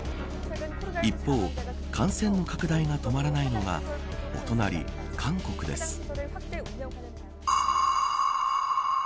一方、感染の拡大が止まらないのがお隣、韓国です。